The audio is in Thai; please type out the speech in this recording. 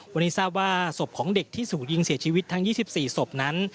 วันนี้ทราบว่าศพของเด็กที่ถูกยิงเสียชีวิตทั้ง๒๔ศพนั้น